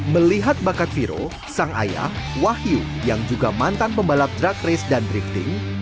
melihat bakat viro sang ayah wahyu yang juga mantan pembalap drug race dan drifting